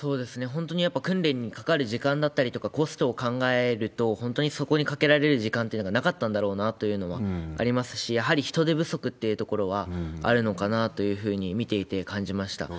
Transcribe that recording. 本当にやっぱり訓練にかかる時間だったりとかコストを考えると、本当にそこにかけられる時間というのがなかったんだろうというのはありますし、やはり人手不足っていうところはあるのかなというふうに見ていて感じました。